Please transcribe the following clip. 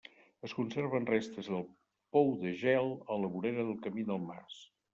Es conserven restes del pou de gel a la vorera del camí del mas.